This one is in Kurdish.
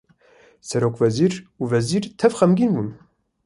serokwezir û wezîr tev xemgîn bûn